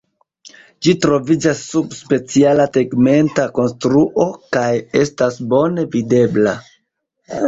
Ĝi troviĝas sub speciala tegmenta konstruo kaj estas bone videbla.